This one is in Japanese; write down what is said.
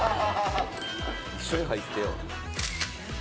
一緒に入ってよ。